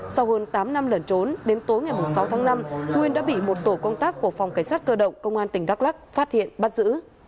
sau hơn tám năm lẩn trốn đến tối ngày sáu tháng năm nguyên đã bị một tổ công tác của phòng cảnh sát cơ động công an tỉnh đắk lắc phát hiện bắt giữ